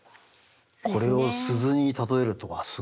これを「鈴」に例えるとはすごい。